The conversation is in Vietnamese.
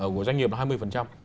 của doanh nghiệp là hai mươi